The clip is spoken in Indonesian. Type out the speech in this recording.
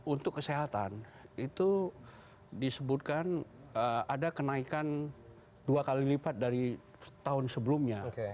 untuk kesehatan itu disebutkan ada kenaikan dua kali lipat dari tahun sebelumnya